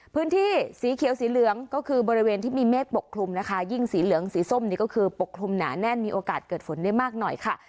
พื้นที่สีเขียวสีเหลืองก็คือบริเวณที่มีเมฆปกคลุมนะคะยิ่งสีเหลืองสีส้มนี่ก็คือปกคลุมหนาแน่นมีโอกาสเกิดฝนได้มากหน่อยค่ะ